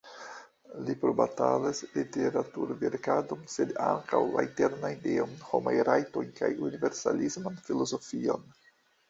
Li probatalas literaturverkadon, sed ankaŭ la Internan Ideon, homajn rajtojn, kaj universalisman filozofion.